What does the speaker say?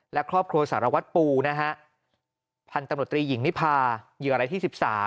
และครอบครัวสารวัตรปูนะฮะพันธุ์ตำรวจตรีหญิงนิพาเหยื่ออะไรที่๑๓